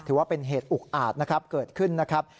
ถือว่าเป็นเหตุอุกอาจนะครับเกิดขึ้นนะครับ